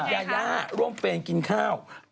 นาเเด็กยาร่วมเปรี่ยนกินข้าว